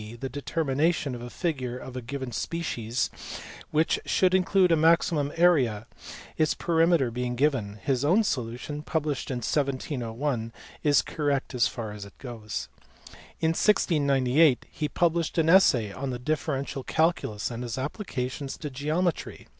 the determination of a figure of a given species which should include a maximum area, its perimeter being given : his own solution, published in 1701, is correct as far it goes. In 1698 he published an essay on the differential calculus and its applica tions to geometry.